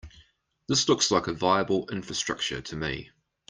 This looks like a viable infrastructure to me.